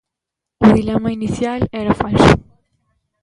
O dilema inicial era falso.